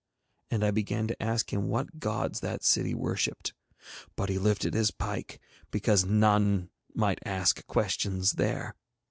And I began to ask him what gods that city worshipped, but he lifted his pike because none might ask questions there.